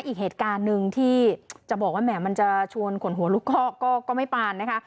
อีกเหตุการณ์หนึ่งที่จะบอกว่าแหมมันจะชวนขนหัวลุกคอกก็ไม่ปานนะคะ